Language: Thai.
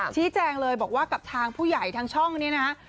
ชี้แจงเลยบอกว่ากับทางผู้ใหญ่ทางช่องนี้นะฮะ